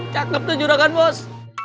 cakep tuh juragan bos